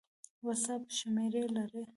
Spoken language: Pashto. وټس اپ شمېره لرئ؟